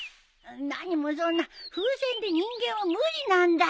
何もそんな風船で人間は無理なんだよ。